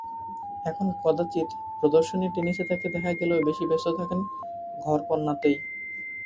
এখন কদাচিৎ প্রদর্শনী টেনিসে তাঁকে দেখা গেলেও বেশি ব্যস্ত থাকেন ঘরকন্নাতেই।